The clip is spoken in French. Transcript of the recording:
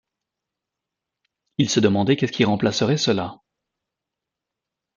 Il se demandait qu’est-ce qui remplacerait cela.